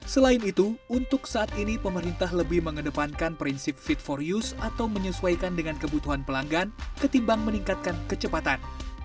selain itu untuk saat ini pemerintah lebih mengedepankan prinsip fit for use atau menyesuaikan dengan kebutuhan pelanggan ketimbang meningkatkan kecepatan